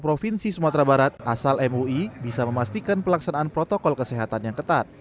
provinsi sumatera barat asal mui bisa memastikan pelaksanaan protokol kesehatan yang ketat